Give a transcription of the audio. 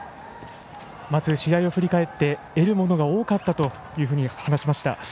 まず、試合を振り返って得るものが多かったと話しました。